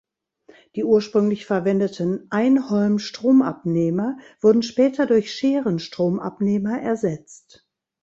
Die ursprünglich verwendeten Einholmstromabnehmer wurden später durch Scherenstromabnehmer ersetzt.